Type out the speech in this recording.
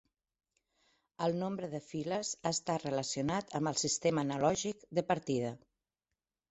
El nombre de files està relacionat amb el sistema analògic de partida.